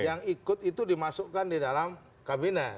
yang ikut itu dimasukkan di dalam kabinet